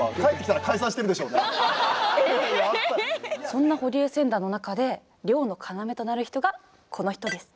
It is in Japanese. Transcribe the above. そんな捕鯨船団の中で漁の要となる人がこの人です。